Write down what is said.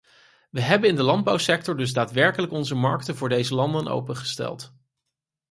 We hebben in de landbouwsector dus daadwerkelijk onze markten voor deze landen opengesteld.